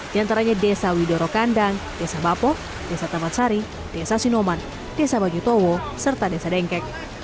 di antaranya desa widoro kandang desa bapok desa tamat sari desa sinoman desa banyutowo serta desa dengkek